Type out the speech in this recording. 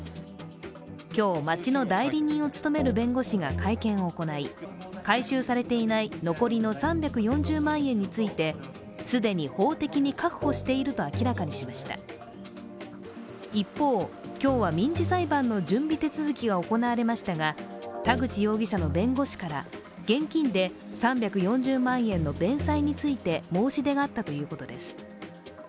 今日、町の代理人を務める弁護士が会見を行い、回収されていない残りの３４０万円について一方、今日は民事裁判の準備手続きが行われましたが、田口容疑者の弁護士から現金で３４０万円の弁済について申し出があったということです。